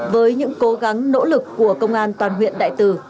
với những cố gắng nỗ lực của công an toàn huyện đại từ